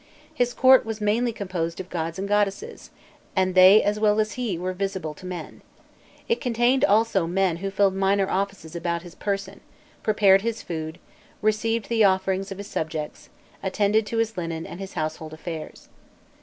His court was mainly composed of gods and goddesses, and they as well as he were visible to men. It contained also men who filled minor offices about his person, prepared his food, received the offerings of his subjects, attended to his linen and household affairs.